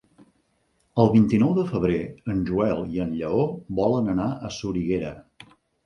El vint-i-nou de febrer en Joel i en Lleó volen anar a Soriguera.